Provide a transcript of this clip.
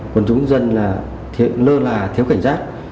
còn chúng dân là lơ là thiếu cảnh giác